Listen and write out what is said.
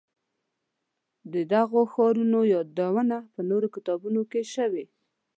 د دغو ښارونو یادونه په نورو کتابونو کې شوې.